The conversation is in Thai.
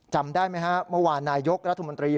จำได้ไหมฮะเมื่อวานนายกรัฐมนตรี